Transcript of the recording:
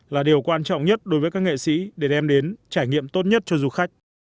là điều quan trọng nhất đối với các nghệ sĩ để đem đến trải nghiệm tốt nhất cho du khách